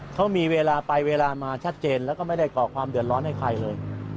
เขามีเวลาไปเวลามาชัดเจนแล้วก็ไม่ได้ก่อความเดือดร้อนให้ใครเลย